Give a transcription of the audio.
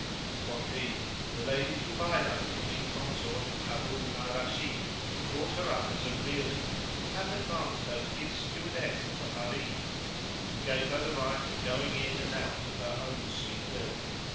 Quoth he, "The Lady Zubaydah, queen consort of Harun al Rashid, brought her up as a rearling[FN#560] and hath advanced her to be stewardess of the Harim, and gave her the right of going in and out of her own sweet will.